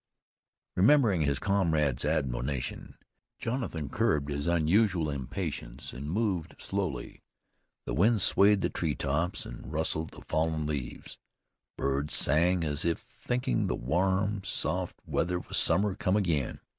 Remembering his comrade's admonition, Jonathan curbed his unusual impatience and moved slowly. The wind swayed the tree tops, and rustled the fallen leaves. Birds sang as if thinking the warm, soft weather was summer come again.